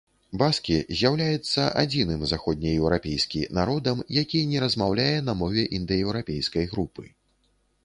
Баскі з'яўляецца адзіным заходнееўрапейскі народам, які не размаўляе на мове індаеўрапейскай групы.